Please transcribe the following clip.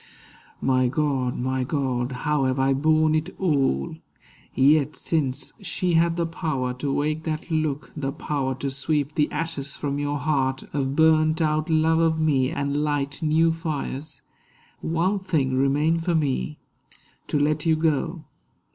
My God, my God, how have I borne it all! Yet since she had the power to wake that look— The power to sweep the ashes from your heart Of burned out love of me, and light new fires, One thing remained for me—to let you go.